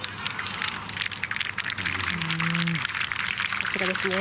さすがですね。